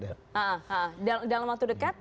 dalam waktu dekat